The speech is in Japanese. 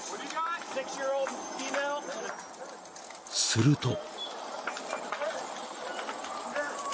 ［すると］